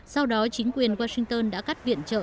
sau đó chính quyền washington đã cắt viện trợ